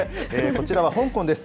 こちらは香港です。